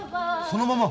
そのまま。